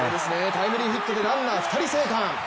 タイムリーヒットでランナー２人生還。